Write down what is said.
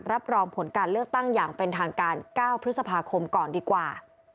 รับรองผลการเลือกตั้งอย่างเป็นทางการ๙พฤษภาคมก่อนดีกว่า